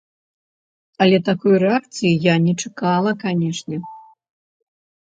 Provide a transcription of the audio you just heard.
Але такой рэакцыі я не чакала, канечне.